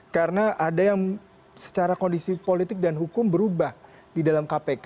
karena ada yang secara kondisi politik dan hukum berubah di dalam kpk